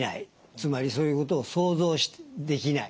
つまりそういうことを想像できない。